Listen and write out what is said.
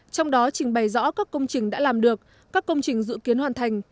trong đó trình bày rõ các công trình đã làm được các công trình dự kiến hoàn thành